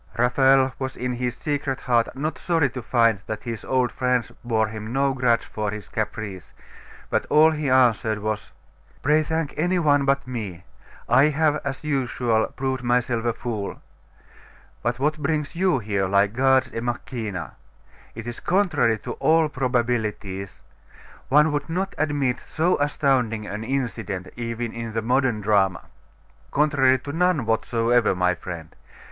Raphael was in his secret heart not sorry to find that his old friends bore him no grudge for his caprice; but all he answered was 'Pray thank any one but me; I have, as usual, proved myself a fool. But what brings you here, like Gods e Machina? It is contrary to all probabilities. One would not admit so astounding an incident, even in the modern drama.' 'Contrary to none whatsoever, my friend.